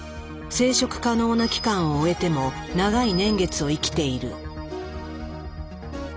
生殖可能な期間を終えても長い年月を生きている。